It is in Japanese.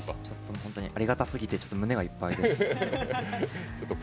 本当にありがたすぎて胸がいっぱいです。